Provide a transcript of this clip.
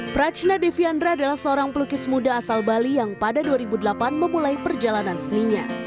prachna deviandra adalah seorang pelukis muda asal bali yang pada dua ribu delapan memulai perjalanan seninya